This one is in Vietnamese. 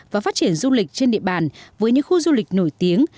và phát triển du lịch trên địa bàn với những khu du lịch nổi tiếng